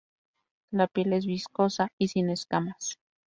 La piel es viscosa y sin escamas.